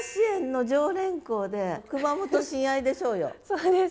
そうです。